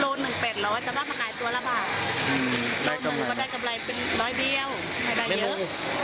โรน๑๘๐๐บาทจะได้มาขายตัวละบาทโรนหนึ่งก็ได้กำไรเป็นร้อยเดียวไม่ได้เยอะ